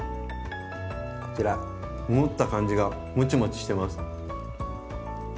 こちら持った感じがモチモチしてます。